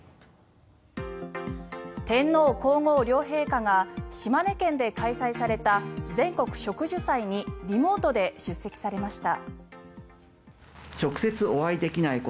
天皇・皇后両陛下が島根県で開催された全国植樹祭にリモートで出席されました。